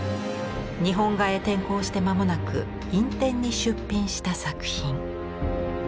日本画へ転向して間もなく院展に出品した作品。